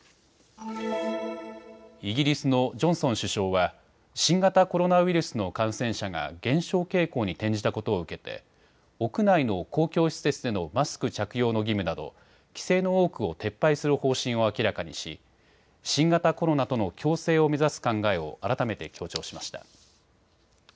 イギリスのジョンソン首相は新型コロナウイルスの感染者が減少傾向に転じたことを受けて屋内の公共施設でのマスク着用の義務など規制の多くを撤廃する方針を明らかにし新型コロナとの共生を目指す考えを改めて強調しました。